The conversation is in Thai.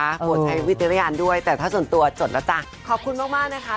เปลี่ยนให้ผู้ที่เต้อนก็ควรใช้วิทยาลัยการทำดูได้ด้วยแต่ถ้าส่วนตัวสนแล้วแล้วจ้า